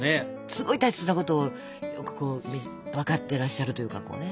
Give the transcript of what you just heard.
すごい大切なことを分かってらっしゃるというか。